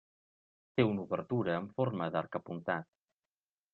Té una obertura en forma d'arc apuntat.